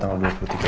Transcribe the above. tunggu sebentar ya